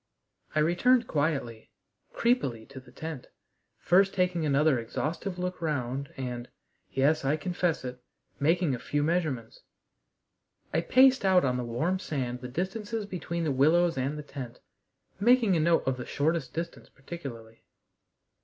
I returned quietly, creepily, to the tent, first taking another exhaustive look round and yes, I confess it making a few measurements. I paced out on the warm sand the distances between the willows and the tent, making a note of the shortest distance particularly.